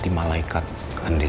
terus dalam ini yang ter residio